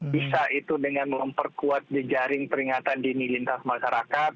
bisa itu dengan memperkuat jejaring peringatan dini lintas masyarakat